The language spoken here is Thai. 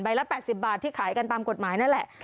ละ๘๐บาทที่ขายกันตามกฎหมายนั่นแหละ